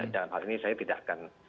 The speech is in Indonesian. dan hal ini saya tidak akan